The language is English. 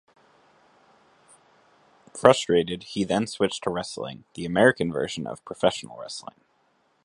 Frustrated, he then switched to wrestling, the American version of professional wrestling.